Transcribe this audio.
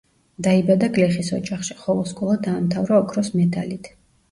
დაიბადა გლეხის ოჯახში, ხოლო სკოლა დაამთავრა ოქროს მედალით.